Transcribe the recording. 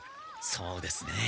そうですね。